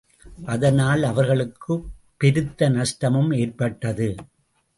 அதனால், அவர்களுக்குப் பெருத்த நஷ்டமும் ஏற்பட்டது.